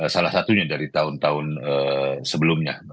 salah satunya dari tahun tahun sebelumnya